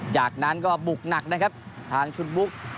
จากนั้นก็บุกหนักนะครับทางชุดบุ๊ก